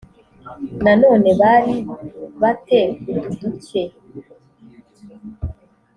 nanone bari ba te udu duke